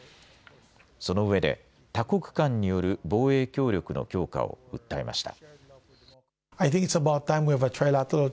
その上で、多国間による防衛協力の強化を訴えました。